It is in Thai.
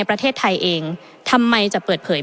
ประเทศอื่นซื้อในราคาประเทศอื่น